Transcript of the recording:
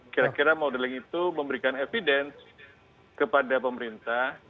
kira kira modeling itu memberikan evidence kepada pemerintah